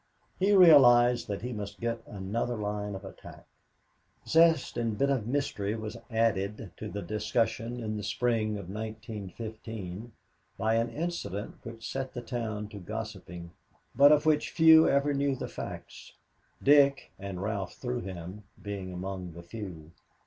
He realized that he must get another line of attack. Zest and a bit of mystery was added to the discussion in the spring of 1915 by an incident which set the town to gossiping, but of which few ever knew all the facts Dick, and Ralph through him, being among the few.